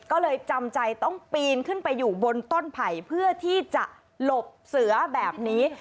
ก็เลยจำใจต้องปีนขึ้นไปอยู่บนต้นไผ่เพื่อที่จะหลบเสือแบบนี้